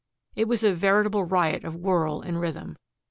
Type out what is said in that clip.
It was a veritable riot of whirl and rhythm.